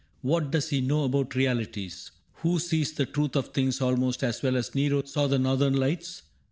What does he know about realities, Who sees the truth of things almost as well As Nero saw the Northern Lights